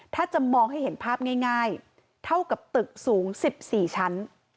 ถ้าจะมองให้เห็นภาพง่ายเท่ากับตึกสูง๑๔ชั้น